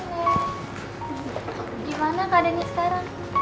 nenek gimana keadaannya sekarang